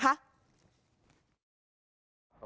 จะถ่ายทุเรียนในทุเรียดี่ไม่ได้